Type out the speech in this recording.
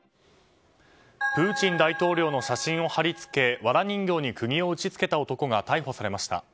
プーチン大統領の写真を貼り付けわら人形にくぎを打ちつけた男が逮捕されました。